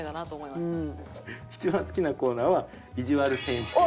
一番好きなコーナーはいじわる選手権。